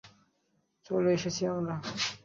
চলে এসেছি আমরা।